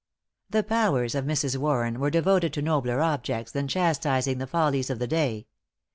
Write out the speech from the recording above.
"= The powers of Mrs. Warren were devoted to nobler objects than chastising the follies of the day.